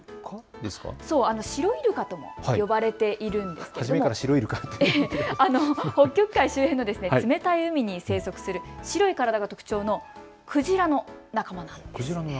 シロイルカとも呼ばれているんですが北極海周辺の冷たい海に生息する白い体が特徴のクジラの仲間です。